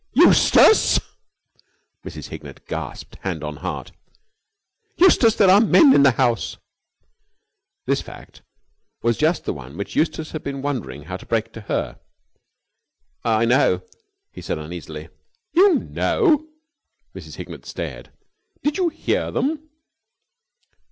"Eustace!" Mrs. Hignett gasped, hand on heart. "Eustace, there are men in the house!" This fact was just the one which Eustace had been wondering how to break to her. "I know," he said uneasily. "You know!" Mrs. Hignett stared. "Did you hear them!"